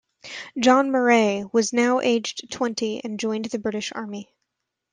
John Murray was now aged twenty and joined the British Army.